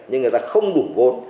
nhưng người ta không đủ vốn